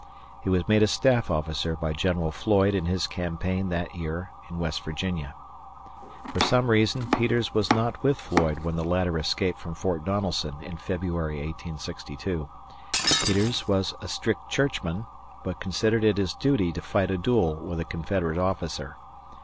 He was made a staff officer by General Floyd in his campaign that year in West Virginia. For some reason Peters was not with Floyd when the latter escaped from Fort Donelson in February, 1862. Peters was a strict churchman, but considered it his duty to fight a duel with a Confederate officer.